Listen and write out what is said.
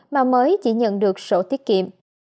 mà mới chỉ nhận được sổ tiết kiệm